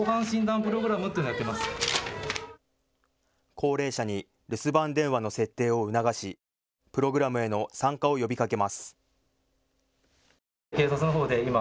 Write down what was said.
高齢者に留守番電話の設定を促しプログラムへの参加を呼びかけます。